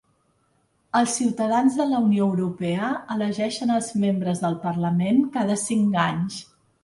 Els ciutadans de la Unió Europea elegeixen els membres del Parlament cada cinc anys.